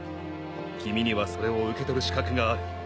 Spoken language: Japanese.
「君にはそれを受け取る資格がある」